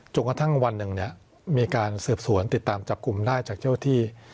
กระทั่งวันหนึ่งมีการสืบสวนติดตามจับกลุ่มได้จากเจ้าที่